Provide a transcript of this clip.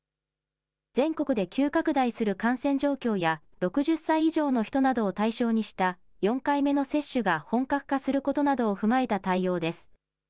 全国で急拡大する感染状況や６０歳以上の人などを対象にした４回目の接種が本格化することなどを踏まえた対応です。